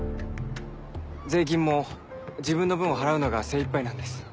税金も自分の分を払うのが精いっぱいなんです。